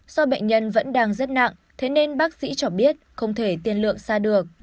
do bệnh nhân vẫn đang rất nặng thế nên bác sĩ cho biết không thể tiền lượng xa được